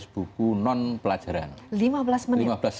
buku non pelajaran lima belas menit